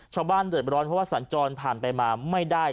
ชาวบ้านเดือดร้อนเพราะว่าสัญจรผ่านไปมาไม่ได้